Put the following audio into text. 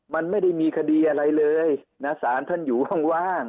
มันไม่ได้มีคดีอะไรเลยนะสารท่านอยู่ว่าง